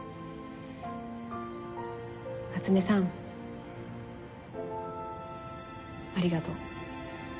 夏目さんありがとう。